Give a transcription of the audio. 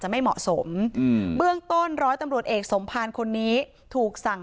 ไม่เหมาะสมอืมเบื้องต้นร้อยตำรวจเอกสมภารคนนี้ถูกสั่ง